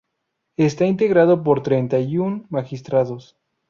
Está integrado por treinta y un magistrados.